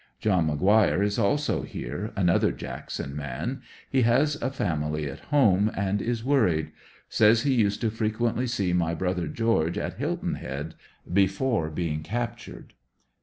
John Mc Guire is also here, another Jackson man. He has a family at home and is worried. Says he used to frequently see my brother George at Hilton Head, before being captured.